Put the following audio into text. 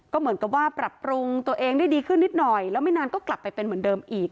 ก็เหมือนกับว่าปรับปรุงตัวเองได้ดีขึ้นนิดหน่อยแล้วไม่นานก็กลับไปเป็นเหมือนเดิมอีก